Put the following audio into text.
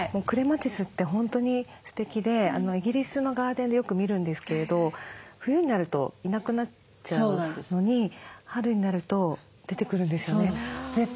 クレマチスって本当にすてきでイギリスのガーデンでよく見るんですけれど冬になるといなくなっちゃうのに春になると出てくるんですよね。